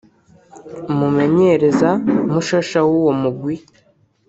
umumenyereza mushasha w'uwo mugwi